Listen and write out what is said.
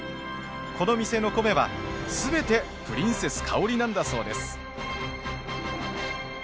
この店の米は全てプリンセスかおりなんだそうです。